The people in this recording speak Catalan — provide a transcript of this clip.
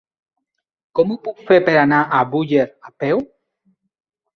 Com ho puc fer per anar a Búger a peu?